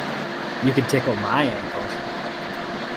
You can tickle my ankles.